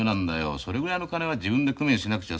それぐらいの金は自分で工面しなくちゃ。